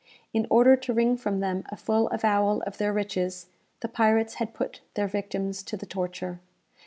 In order to wring from them a full avowal of their riches, the pirates had put their victims to the torture.